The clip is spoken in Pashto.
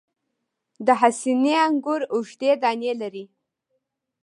د حسیني انګور اوږدې دانې لري.